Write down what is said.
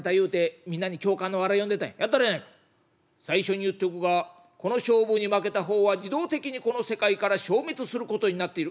「最初に言っておくがこの勝負に負けた方は自動的にこの世界から消滅することになっている」。